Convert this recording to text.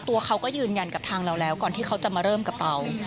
ตัวเขาก็ยืนยันกับทางเราแล้วก่อนที่เขาจะมาเริ่มกระเป๋า